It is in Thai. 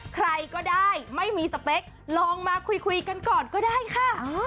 ใครก็ได้ไม่มีสเปคลองมาคุยกันก่อนก็ได้ค่ะ